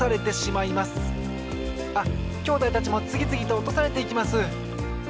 あっきょうだいたちもつぎつぎとおとされていきます！